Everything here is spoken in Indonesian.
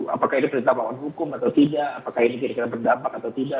apakah ini perintah melawan hukum atau tidak apakah ini kira kira berdampak atau tidak